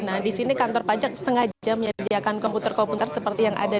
nah di sini kantor pajak sengaja menyediakan komputer komputer